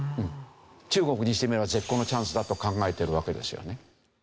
中国にしてみれば絶好のチャンスだと考えてるわけですよね。